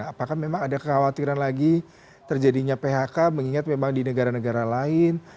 apakah memang ada kekhawatiran lagi terjadinya phk mengingat memang di negara negara lain